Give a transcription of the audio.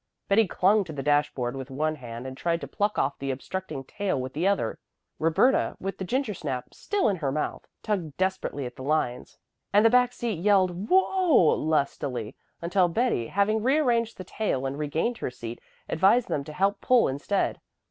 Betty clung to the dashboard with one hand and tried to pluck off the obstructing tail with the other. Roberta, with the gingersnap still in her mouth, tugged desperately at the lines, and the back seat yelled "Whoa!" lustily, until Betty, having rearranged the tail and regained her seat, advised them to help pull instead.